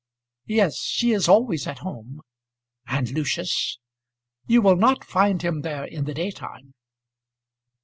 "Yes, she is always at home." "And, Lucius " "You will not find him there in the daytime."